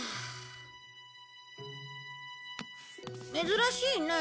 珍しいね。